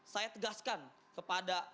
saya tegaskan kepada